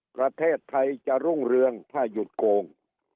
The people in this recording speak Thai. ประเทศไทยจะรุ่งเรืองถ้าหยุดโกง